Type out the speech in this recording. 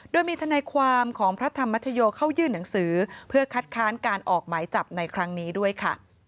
โดยมีทนายความของพระธรรมชโยเข้ายื่นหนังสือเพื่อคัดค้านการออกหมายจับในครั้งนี้ด้วยค่ะ